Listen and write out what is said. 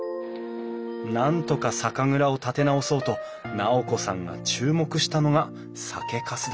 なんとか酒蔵を立て直そうと尚子さんが注目したのが酒かすだった。